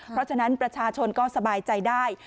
เพราะฉะนั้นประชาชนก็สบายใจได้